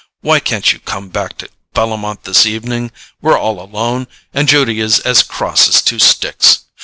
Why can't you come back to Bellomont this evening? We're all alone, and Judy is as cross as two sticks.